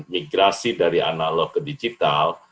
migrasi dari analog ke digital